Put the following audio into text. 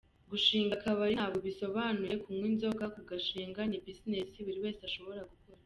Gushinga akabari ntabwo bisobanuye kunywa inzoga, kugashinga ni business buri wese ashobora gukora.